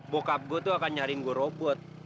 bokap gua tuh akan nyariin gua robot